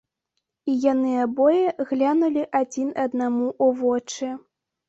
І яны абое глянулі адзін аднаму ў вочы.